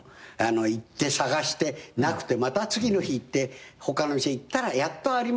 行って探してなくてまた次の日行って他の店行ったらやっとありましたではない。